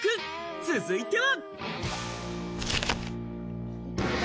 続いては。